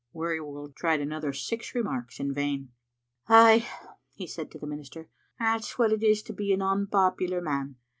Wearyworld tried another six remarks in vain. "Ay," he said to the minister, "that's what it is to be an onpopular man.